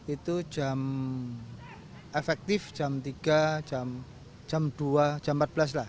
itu jam efektif jam tiga jam dua jam empat belas lah